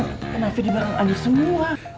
kan akhirnya dia bangun aneh semua